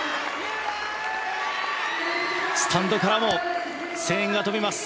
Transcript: スタンドからも声援が飛びます。